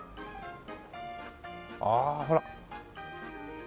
ああほら。